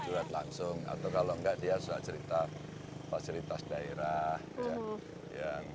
jual langsung atau kalau nggak dia serta cerita fasilitas daerah ya